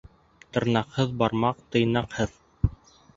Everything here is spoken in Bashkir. Тырнаҡһыҙ бармак тыйнаҡһыҙ.